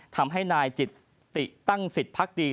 ทำให้นายจิตติตั้งสิทธิพักดี